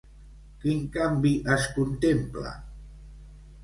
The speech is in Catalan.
Quin canvi es contempla?